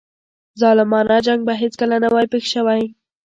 ظالمانه جنګ به هیڅکله نه وای پېښ شوی.